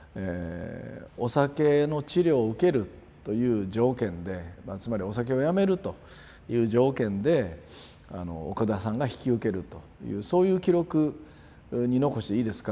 お酒の治療を受けるという条件でつまりお酒をやめるという条件で奥田さんが引き受けるというそういう記録残していいですか？